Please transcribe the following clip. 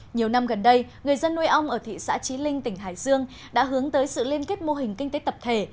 nhiều năm gần đây người dân nuôi ong ở thị xã trí linh tỉnh hải dương đã hướng tới sự liên kết mô hình kinh tế tập thể